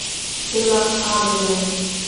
إِلَّا أَصْحَابَ الْيَمِينِ